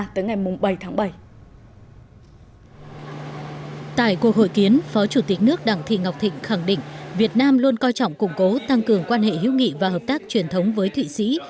tại cuộc hội kiến phó chủ tịch nước đặng thị ngọc thịnh khẳng định việt nam luôn coi trọng củng cố tăng cường quan hệ hữu nghị và hợp tác truyền thống với thụy sĩ